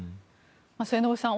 末延さん